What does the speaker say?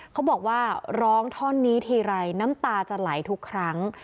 เขาบอกว่าร้องท่อนนี้ทีไรน้ำตาจะไหลทุกครั้ง